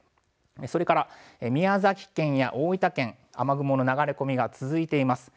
それから宮崎県や大分県、雨雲の流れ込みが続いています。